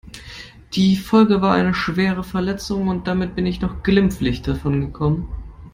Die Folge war eine schwere Verletzung und damit bin ich noch glimpflich davon gekommen.